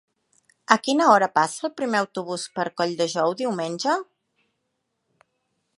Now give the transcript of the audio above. A quina hora passa el primer autobús per Colldejou diumenge?